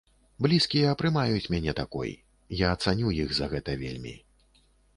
Блізкія прымаюць мяне такой, я цаню іх за гэта вельмі.